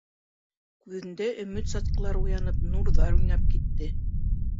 Күҙендә өмөт сатҡылары уянып, нурҙар уйнап китте.